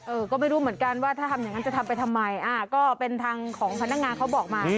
ก็ไม่รู้เหมือนกันว่าถ้าทำอย่างนั้นจะทำไปทำไมอ่าก็เป็นทางของพนักงานเขาบอกมา